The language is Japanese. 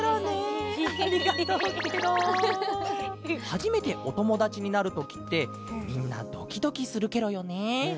はじめておともだちになるときってみんなドキドキするケロよね。